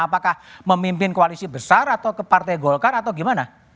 apakah memimpin koalisi besar atau ke partai golkar atau gimana